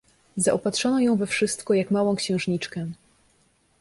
Zaopatrzono ją we wszystko, jak małą księżniczkę.